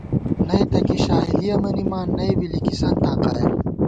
نئ تہ کی شائیدِیَہ مَنِمان ، نئ بی لِکِسَنتاں قائل